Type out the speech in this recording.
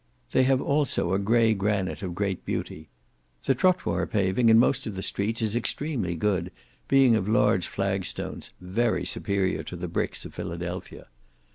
They have also a grey granite of great beauty. The trottoir paving, in most of the streets, is extremely good, being of large flag stones, very superior to the bricks of Philadelphia.